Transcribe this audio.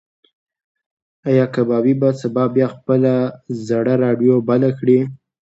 ایا کبابي به سبا بیا خپله زړه راډیو بله کړي؟